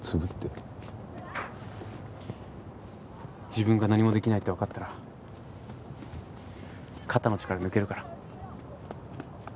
自分が何も出来ないってわかったら肩の力抜けるから。